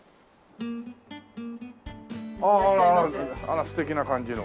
あら素敵な感じの。